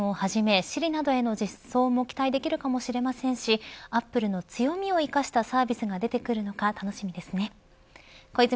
セキュリティー面をはじめＳｉｒｉなどへの実装も期待できるかもしれませんしアップルの強みを生かしたサービスが出てくるのか楽しみですね。